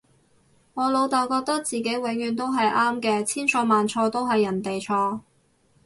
我老竇覺得自己永遠都係啱嘅，千錯萬錯都係人哋錯